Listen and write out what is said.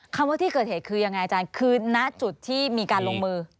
ว่าที่เกิดเหตุคือยังไงอาจารย์คือณจุดที่มีการลงมือ